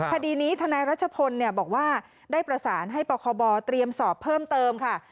คดีนี้ทนายรัชพลบอกว่าได้ประสานให้ปคบเตรียมสอบเพิ่มเติมค่ะ